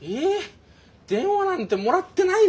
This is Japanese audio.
電話なんてもらってないですよ。